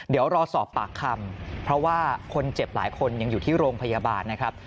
เดี๋ยวรอสอบปากคำเพราะว่าคนเจ็บหลายคนยังอยู่ที่โรงพยาบาลนะครับ